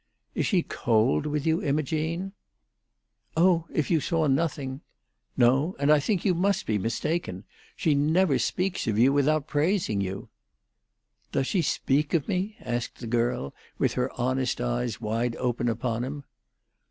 "Is she cold with you, Imogene?" "Oh, if you saw nothing——" "No; and I think you must be mistaken. She never speaks of you without praising you." "Does she speak of me?" asked the girl, with her honest eyes wide open upon him.